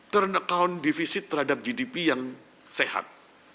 current account divisi terhadap gdp yang sehat